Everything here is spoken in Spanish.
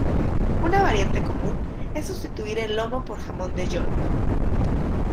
Una variante común es sustituir el lomo por jamón de york.